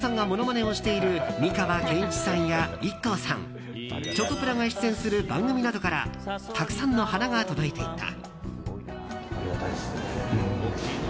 ロビーには松尾さんがものまねをしている美川憲一さんやＩＫＫＯさんチョコプラが出演する番組などからたくさんの花が届いていた。